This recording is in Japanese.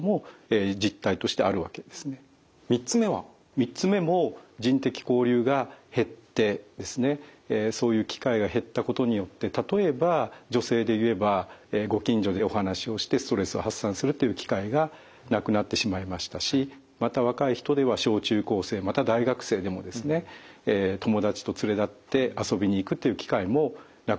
３つ目も人的交流が減ってですねそういう機会が減ったことによって例えば女性で言えばご近所でお話をしてストレスを発散するっていう機会がなくなってしまいましたしまた若い人では小中高生また大学生でもですね友達と連れ立って遊びに行くという機会もなくなってしまいました。